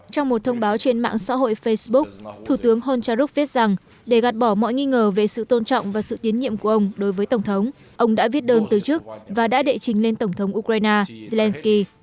trong một thông báo trên mạng xã hội facebook thủ tướng honcharuk viết rằng để gạt bỏ mọi nghi ngờ về sự tôn trọng và sự tiến nhiệm của ông đối với tổng thống ông đã viết đơn từ chức và đã đệ trình lên tổng thống ukraine zelensky